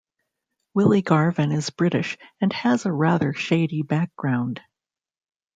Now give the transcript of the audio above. Willie Garvin is British and has a rather shady background.